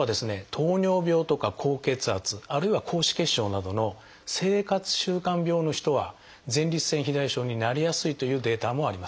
糖尿病とか高血圧あるいは高脂血症などの生活習慣病の人は前立腺肥大症になりやすいというデータもあります。